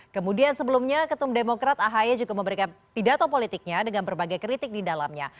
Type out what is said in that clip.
kemudian sebelumnya ketum demokrat ahi juga memberikan pidato politiknya dengan berbagai kritik di dalamnya